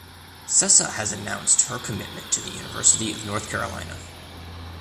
Sessa has announced her commitment to the University of North Carolina.